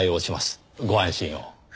ご安心を。